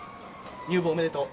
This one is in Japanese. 入部おめでとう。